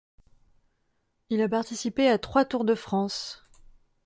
Il a participé à trois Tours de France.